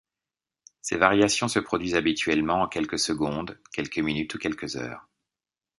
Ces variations se produisent habituellement en quelques secondes, quelques minutes ou quelques heures.